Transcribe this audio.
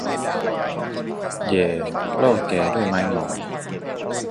แหย่ล่อแก่ด้วยไม้งอ